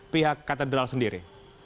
pihak katedral sendiri